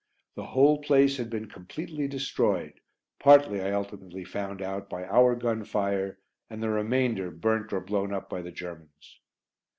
The whole place had been completely destroyed, partly, I ultimately found out, by our gun fire, and the remainder burnt or blown up by the Germans.